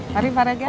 mari pak regar